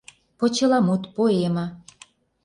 ПОЧЕЛАМУТ, ПОЭМЕ